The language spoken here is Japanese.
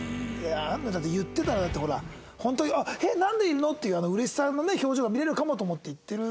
あんなん言ってたらだってほら「えっなんでいるの！？」っていう嬉しさの表情が見れるかもと思って行ってる。